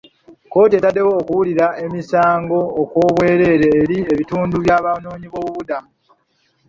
Kkooti etaddewo okuwulira emisango okw'obwereere eri ebitundu by'Abanoonyiboobubudamu.